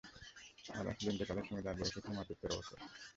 আর রাসূলের ইন্তেকালের সময় তাঁর বয়স হয়েছিল মাত্র তের বৎসর।